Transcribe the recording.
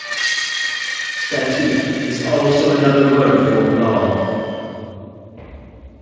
Statute is also another word for law.